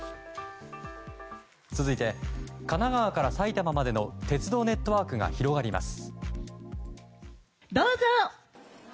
続いて、神奈川から埼玉までの鉄道ネットワークが広がります。